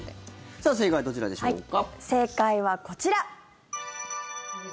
さあ、正解はどちらでしょうか。